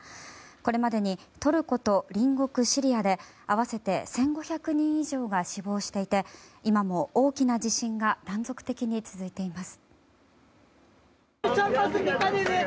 これまでにトルコと隣国シリアで合わせて１５００人以上が死亡していて今も大きな地震が断続的に続いています。